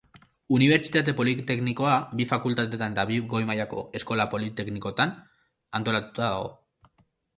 Unibertsitate politeknikoa bi fakultatetan eta bi goi mailako eskola politeknikoetan antolatuta dago.